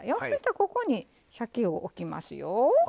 そしたらここにしゃけを置きますよ。